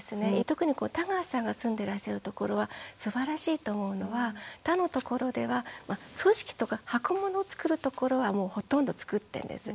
特に田川さんが住んでいらっしゃるところはすばらしいと思うのは他のところでは組織とか箱物をつくるところはもうほとんどつくってるんです。